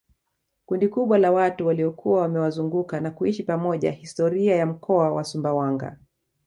kundi kubwa la watu waliokuwa wamewazunguka na kuishi pamoja historia ya mkoa wa sumbawanga